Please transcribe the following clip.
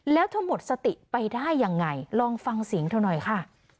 แล้วเธอหมดสติไปได้ยังไงลองฟังเสียงเธอหน่อยค่ะ